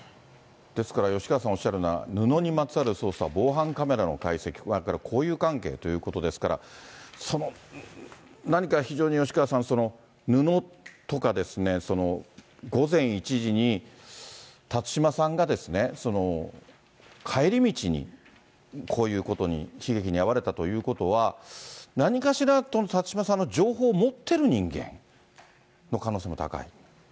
ですから、吉川さんおっしゃるのは、布にまつわる捜査、防犯カメラの解析、あとやっぱり交友関係ということですから、何か非常に吉川さん、布とかですね、午前１時に、辰島さんが帰り道にこういうことに、悲劇に遭われたということは、何かしら、辰島さんの情報を持ってる人間の可能性も高い？